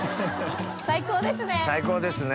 最高ですね！